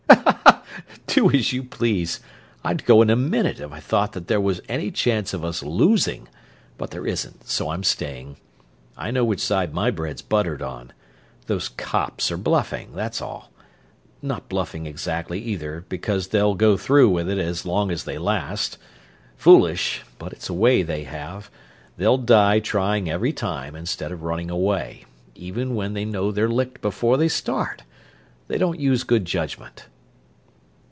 "Do as you please. I'd go in a minute if I thought that there was any chance of us losing; but there isn't, so I'm staying. I know which side my bread's buttered on. Those cops are bluffing, that's all. Not bluffing exactly, either, because they'll go through with it as long as they last. Foolish, but it's a way they have they'll die trying every time, instead of running away, even when they know they're licked before they start. They don't use good judgment."